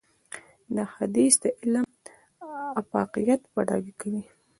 دا حديث د علم افاقيت په ډاګه کوي.